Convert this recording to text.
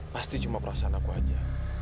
pasti cuma perasaan aku aja